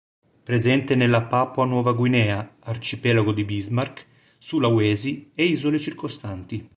Presente nella Papua Nuova Guinea, arcipelago di Bismarck, Sulawesi e isole circostanti.